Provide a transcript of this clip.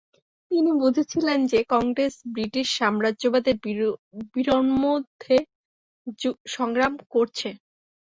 তিনি বুঝেছিলেন যে, কংগ্রেস ব্রিটিশ সাম্রাজ্যবাদের বিরম্নদ্ধে সংগ্রাম করছে।